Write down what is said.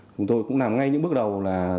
chúng tôi cũng làm ngay những bước đầu